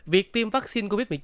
việc tiêm vaccine covid một mươi chín